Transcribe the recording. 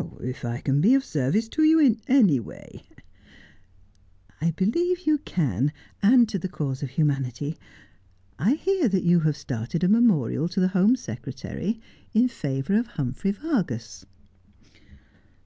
' If I can be of service to you in any way ' I believe you can, and to the cause of humanity. I hear that you have started a memorial to the Home Secretary in favour of Humphrey Vargas.'